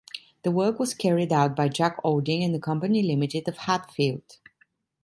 The work was carried out by Jack Olding and Company Limited of Hatfield.